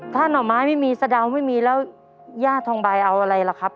ถ้าหน่อไม้ไม่มีสะดาวไม่มีแล้วย่าทองใบเอาอะไรล่ะครับ